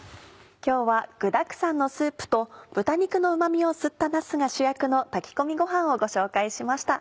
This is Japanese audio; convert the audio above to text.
今日は具だくさんのスープと豚肉のうま味を吸ったなすが主役の炊き込みごはんをご紹介しました。